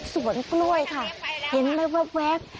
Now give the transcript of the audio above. สวนกล้วยค่ะเห็นเลยแว๊บ